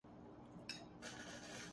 عشق وغیرہ کا بھی ذکر ہو تو سلیقے سے۔